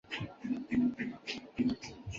短序落葵薯为落葵科落葵薯属的植物。